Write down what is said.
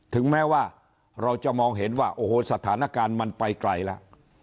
ถึงแม้ว่าเราจะมองเห็นว่าโอ้โหสถานการณ์มันไปไกลแล้ว